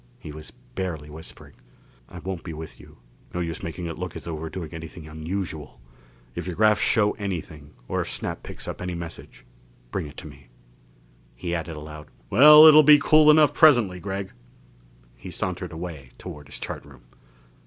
He was barely whispering. "I won't be with you no use making it look as though we were doing anything unusual. If your graphs show anything or if Snap picks up any message bring it to me." He added aloud, "Well, it will be cool enough presently, Gregg." He sauntered away toward his chart room.